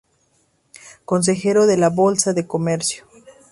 Consejero de la Bolsa de Comercio.